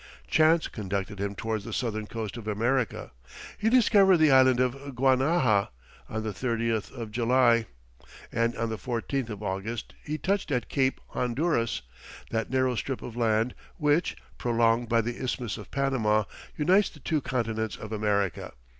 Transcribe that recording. Chance conducted him towards the southern coast of America; he discovered the island of Guanaja, on the 30th of July, and on the 14th of August he touched at Cape Honduras, that narrow strip of land, which, prolonged by the Isthmus of Panama, unites the two continents of America.